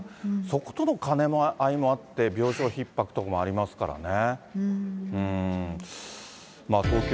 そことの兼ね合いもあって、病床ひっ迫とかもありますからね。